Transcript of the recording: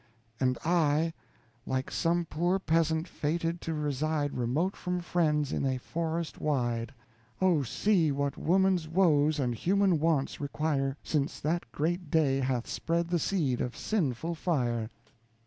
And I, like some poor peasant fated to reside Remote from friends, in a forest wide. Oh, see what woman's woes and human wants require, Since that great day hath spread the seed of sinful fire.